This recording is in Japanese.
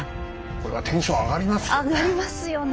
これはテンション上がりますよね！